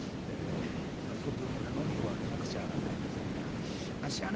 早速名乗りを上げなくちゃなりませんがあっしはね